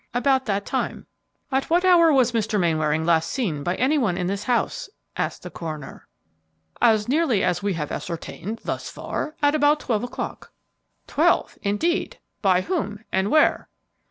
"About that time." "At what hour was Mr. Mainwaring last seen by any one in this house?" asked the coroner. "As nearly as we have ascertained thus far, at about twelve o'clock." "Twelve? Indeed! By whom? and where?"